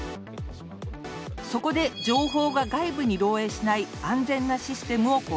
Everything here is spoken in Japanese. そこで情報が外部に漏えいしない安全なシステムを構築。